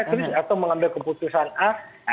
atris atau mengambil keputusan a